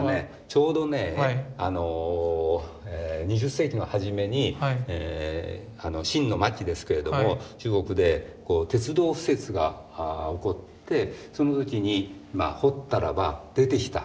ちょうどね２０世紀の初めに清の末期ですけれども中国で鉄道敷設が起こってその時に掘ったらば出てきた。